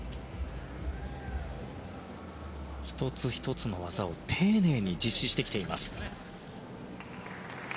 １つ１つの技を丁寧に実施してきています。